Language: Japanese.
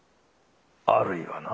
あるいはな。